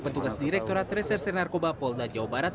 petugas direkturat reserse narkoba polda jawa barat